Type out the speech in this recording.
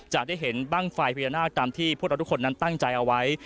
จะได้เห็นบ้างไฟพญานาคตามที่พวกเราทุกคนนั้นตั้งใจเอาไว้